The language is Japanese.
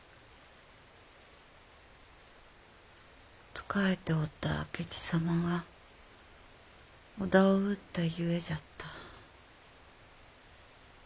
仕えておった明智様が織田を討ったゆえじゃった。